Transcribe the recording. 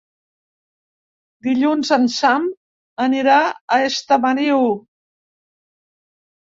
Dilluns en Sam anirà a Estamariu.